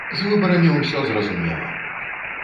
З выбарамі ўсё зразумела!